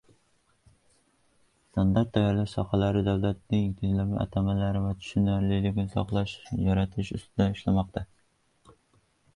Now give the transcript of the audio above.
Standartlashtirish sohasida davlat tilidagi atamalar va tushunchalarning izohli lug‘atini yaratish ustida ishlanmoqda